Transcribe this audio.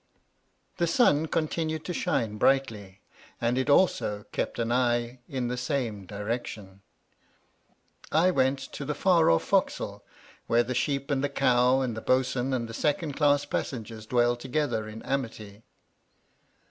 The Sim continued to shine brightly, and it also kept an eye in the same direction. I went to the far off fo'c'sle, where the sheep and the cow and the bo'sun and the second class pas sengers dwell together in amity.